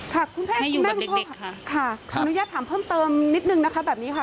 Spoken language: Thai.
คุณแม่คุณแม่คุณพ่อค่ะค่ะขออนุญาตถามเพิ่มเติมนิดนึงนะคะแบบนี้ค่ะ